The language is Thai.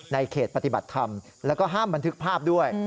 เขตปฏิบัติธรรมแล้วก็ห้ามบันทึกภาพด้วย